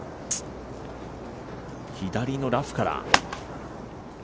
左のラフから。